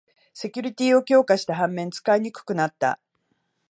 セキュリティーを強化した反面、使いにくくなった